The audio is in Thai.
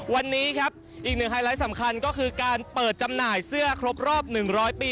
วันนี้ครับอีกหนึ่งไฮไลท์สำคัญก็คือการเปิดจำหน่ายเสื้อครบรอบ๑๐๐ปี